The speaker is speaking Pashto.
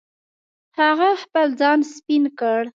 هغه خپل ځان سپین کړ.